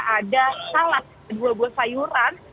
ada salad ada dua buah sayuran